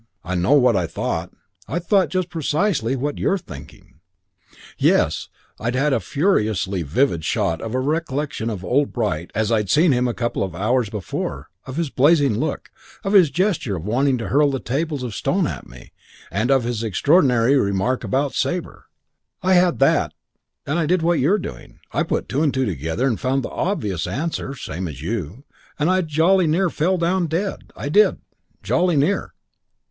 I know what I thought. I thought just precisely what you're thinking. Yes, I had a furiously vivid shot of a recollection of old Bright as I'd seen him a couple of hours before, of his blazing look, of his gesture of wanting to hurl the Tables of Stone at me, and of his extraordinary remark about Sabre, I had that and I did what you're doing: I put two and two together and found the obvious answer (same as you) and I jolly near fell down dead, I did. Jolly near.